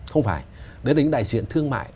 không phải đến đến đại diện thương mại